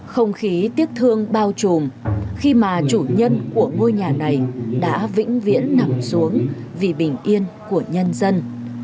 không khí tiếc thương bao trùm khi mà chủ nhân của ngôi nhà này đã vĩnh viễn nằm xuống vì bình yên của nhân dân